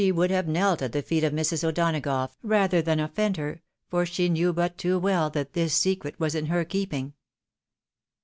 313 ■would have knelt at the feet of Mrs. O'Do'nagough, rather than oflfend her, knowing too well that this secret was in her keeping.